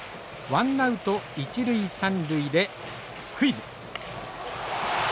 ワンナウト一塁三塁でスクイズ。